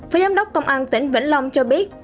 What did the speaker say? phía giám đốc công an tỉnh vĩnh long cho biết